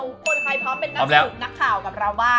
คนใครพร้อมเป็นนักสรุปนักข่าวกับเราบ้าง